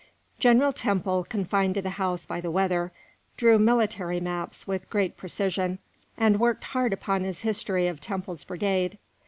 General Temple, confined to the house by the weather, drew military maps with great precision, and worked hard upon his History of Temple's Brigade.